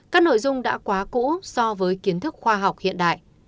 các nội dung đã quá cũ so với kiến thức khoa học hiện đại